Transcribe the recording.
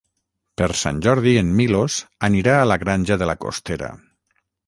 Per Sant Jordi en Milos anirà a la Granja de la Costera.